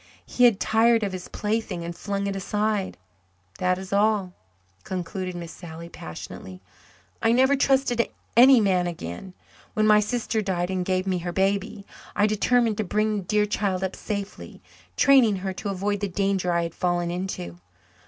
He had tired of his plaything and flung it aside. That is all," concluded Miss Sally passionately. "I never trusted any man again. When my sister died and gave me her baby, I determined to bring the dear child up safely, training her to avoid the danger I had fallen into.